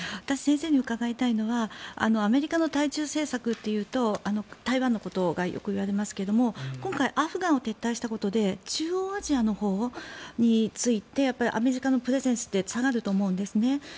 私、先生に伺いたいのはアメリカの対中政策というと台湾のことがよく言われますけど今回、アフガンを撤退したことで中央アジアのほうについてアメリカのプレゼンスって下がると思うんですね。